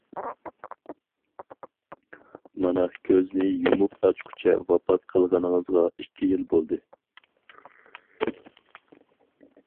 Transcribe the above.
مانا كۆزنى يۇمۇپ ئاچقۇچە ۋاپات قىلغىنىڭىزغا ئىككى يىل بولدى.